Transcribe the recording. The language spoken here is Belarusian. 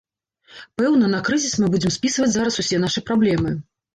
Пэўна, на крызіс мы будзем спісваць зараз усе нашы праблемы.